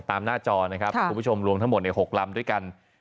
หน้าจอนะครับคุณผู้ชมรวมทั้งหมด๖ลำด้วยกัน